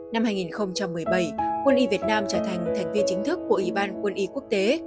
năm hai nghìn một mươi bảy quân y việt nam trở thành thành viên chính thức của ủy ban quân y quốc tế